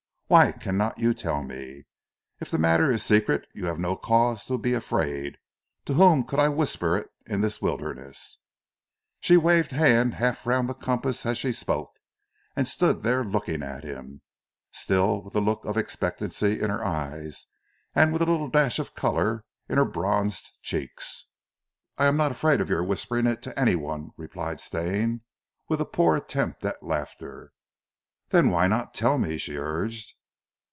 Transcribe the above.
Why cannot you tell me? If the matter is secret you have no cause to be afraid. To whom could I whisper it in this wilderness?" She waved a hand half round the compass as she spoke, and stood there looking at him, still with the look of expectancy in her eyes, and with a little dash of colour in her bronzed cheeks. "I am not afraid of your whispering it to any one," replied Stane, with a poor attempt at laughter. "Then why not tell me?" she urged.